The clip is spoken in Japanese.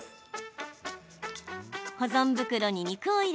保存袋に肉を入れ